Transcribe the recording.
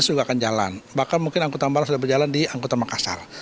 serta peningkatan lrt sumatera selatan